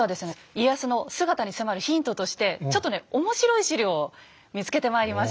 家康の姿に迫るヒントとしてちょっとね面白い史料を見つけてまいりました。